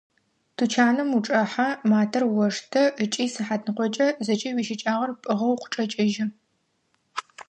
Тучаным учӏэхьэ, матэр оштэ ыкӏи сыхьатныкъокӏэ зэкӏэ уищыкӏагъэр пӏыгъэу укъычӏэкӏыжьы.